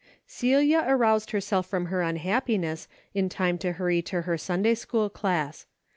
Celia aroused herself from her unhappiness in time to hurry to her Sunday school class.